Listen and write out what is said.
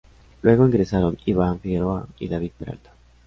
Luego ingresaron: Iván Figueroa y David Peralta.